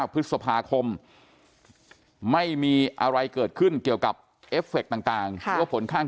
พฤษภาคมไม่มีอะไรเกิดขึ้นเกี่ยวกับเอฟเฟคต่างหรือว่าผลข้าง